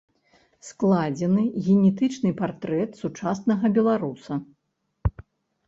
Складзены генетычны партрэт сучаснага беларуса.